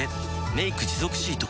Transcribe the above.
「メイク持続シート」